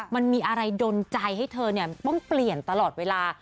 มันมีอะไรดนใจให้เธอต้องเปลี่ยนตลอดเวลา